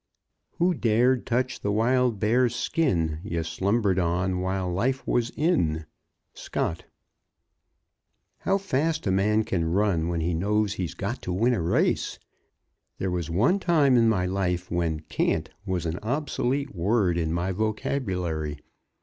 Who dared touch the wild bear's skin Ye slumbered on while life was in? Scott. How fast a man can run when he knows he's got to win a race! There was one time in my life when "can't" was an obsolete word in my vocabulary.